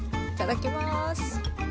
いただきます。